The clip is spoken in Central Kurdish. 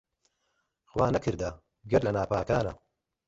خوا نەکەردە گەر لە ناپاکانە